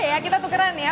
boleh ya kita tukeran ya